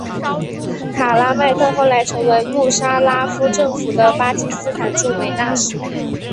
卡拉麦特后来成为穆沙拉夫政府的巴基斯坦驻美大使。